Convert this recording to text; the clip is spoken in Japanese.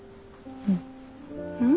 うん。